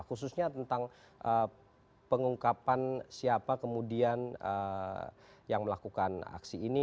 khususnya tentang pengungkapan siapa kemudian yang melakukan aksi ini